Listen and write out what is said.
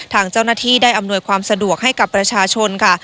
ทางเจ้าหน้าที่ได้อำนวยความสะดวกให้กับประชาชนค่ะ